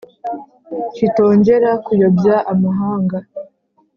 Kitongera kuyobya amahanga